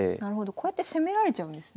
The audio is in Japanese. こうやって攻められちゃうんですね。